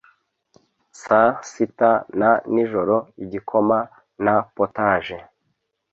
Saa sita na nijoro Igikoma na potaje